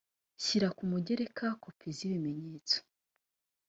shyira ku mugereka kopi z ibimenyetso